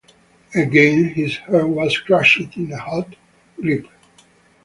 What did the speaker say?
Again his heart was crushed in a hot grip.